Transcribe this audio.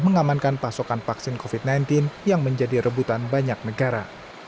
mengamankan pasokan vaksin covid sembilan belas yang menjadi rebutan banyak negara